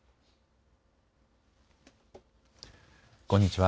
こんにちは。